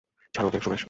ছাড়ো ওকে, সুমেশ।